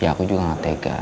ya aku juga sangat tega